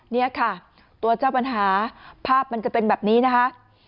นี่ค่ะตัวเจ้าปัญหาภาพมันจะเป็นแบบนี้นะคะ